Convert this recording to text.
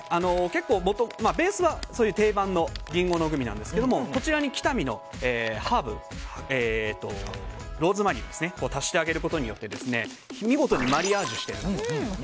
結構、ベースは定番のリンゴのグミなんですがこちらに北見のハーブローズマリーを足してあげることによって見事にマリアージュしています。